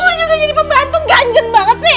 wah lo nyuruh jadi pembantu ganjen banget sih